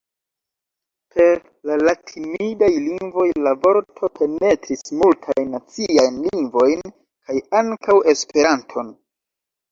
Per la latinidaj lingvoj la vorto penetris multajn naciajn lingvojn kaj ankaŭ Esperanton.